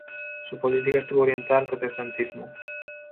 Su política estuvo orientada al protestantismo.